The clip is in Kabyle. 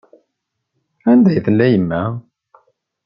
Anda i tella yemma?